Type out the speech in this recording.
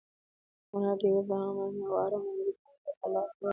هنر د یوې با امنه او ارامه نړۍ د جوړولو لپاره لاره هواروي.